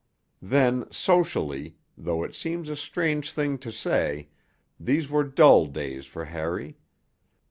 Then, socially, though it seems a strange thing to say, these were dull days for Harry.